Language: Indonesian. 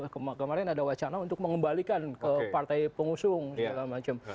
kemarin ada wacana untuk mengembalikan ke partai pengusung segala macam